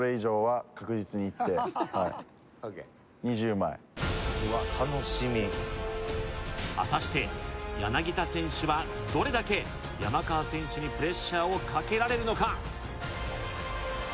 ２０枚果たして柳田選手はどれだけ山川選手にプレッシャーをかけられるのか？